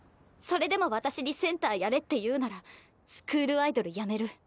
それでも私にセンターやれって言うならスクールアイドルやめる。